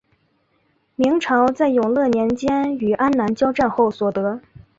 明朝在永乐年间与安南交战后所得。